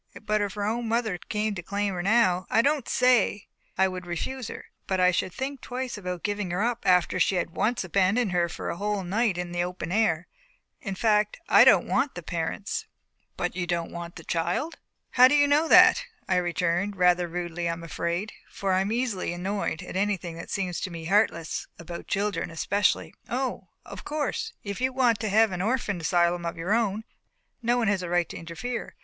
But if her own mother came to claim her now, I don't say I would refuse her, but I should think twice about giving her up after she had once abandoned her for a whole night in the open air. In fact I don't want the parents." "But you don't want the child." "How do you know that?" I returned rather rudely, I am afraid, for I am easily annoyed at anything that seems to me heartless about children especially. "O! of course, if you want to have an orphan asylum of your own, no one has a right to interfere.